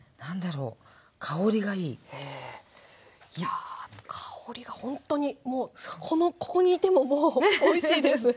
いやあ香りがほんとにもうこのここにいてももうおいしいです。